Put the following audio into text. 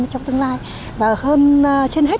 trong tương lai và hơn trên hết